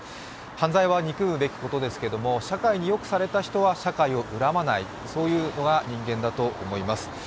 犯罪は憎むことべきですけど、社会によくされた人は社会を恨まない、そういうのが人間だと思います。